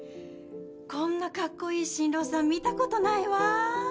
こんなかっこいい新郎さん見たことないわ。